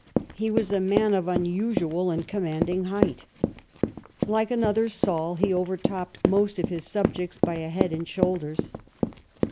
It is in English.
He was a man of unusual and commanding height. Like another Saul, he overtopped most of his subjects by a head and shoulders.